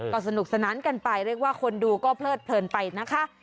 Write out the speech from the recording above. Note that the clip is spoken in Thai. ก็สนุกสนานกันไปเรียกว่าคนดูก็เพลิดเพลินไปนะคะ